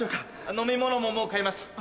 飲み物ももう買いました。